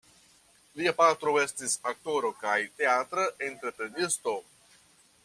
Lia patro estis aktoro kaj teatra entreprenisto.